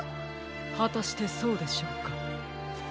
はたしてそうでしょうか？